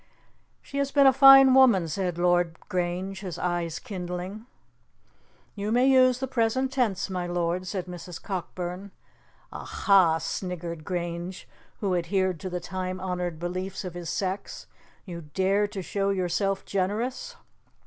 "She has been a fine woman," said Lord Grange, his eye kindling. "You may use the present tense, my lord," said Mrs. Cockburn. "Aha!" sniggered Grange, who adhered to the time honoured beliefs of his sex, "you dare to show yourself generous!"